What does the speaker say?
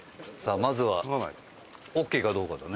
まずはオーケーかどうかだね。